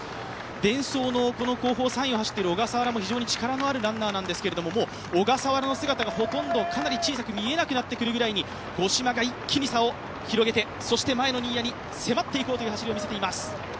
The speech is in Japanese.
デンソーの後方３位を走っている小笠原も非常に力のあるランナーなんですけれども、小笠原の姿がかなり小さく見えなくなってくるくらいに五島が一気に差を広げて前の新谷に迫っていこうという走りを見せています。